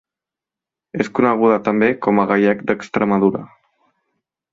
És coneguda també com a gallec d'Extremadura.